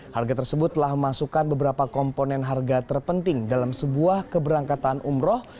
harga tersebut telah memasukkan beberapa komponen harga terpenting dalam sebuah keberangkatan umroh